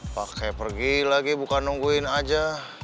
pakai pergi lagi bukan nungguin aja